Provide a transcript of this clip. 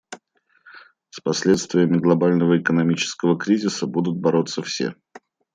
С последствиями глобального экономического кризиса будут бороться все.